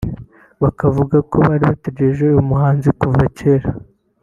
akavuga ko bari barategereje uyu muhanzi kuva kera